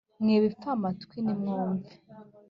Mwe bipfamatwi, nimwumve,